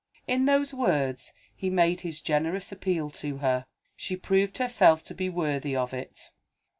In those words, he made his generous appeal to her. She proved herself to be worthy of it.